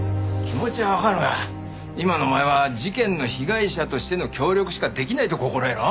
気持ちはわかるが今のお前は事件の被害者としての協力しかできないと心得ろ。